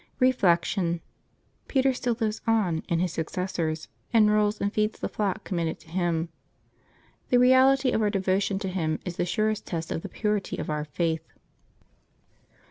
Reflection. — Peter still lives on in his successors, and rules and feeds the flock committed to him. The reality of our devotion to him is the surest test of the purity of our faith.